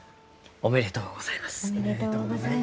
おめでとうございます。